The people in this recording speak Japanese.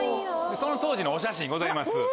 その当時のお写真ございます。